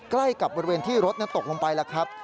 ใกล้กับบริเวณที่รถนั้นตกลงไปแล้วครับ